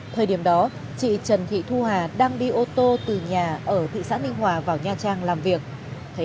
thời điểm đó chị trần thị thu hà đang đi ô tô từ nhà ở thị xã ninh hòa vào nha trang làm việc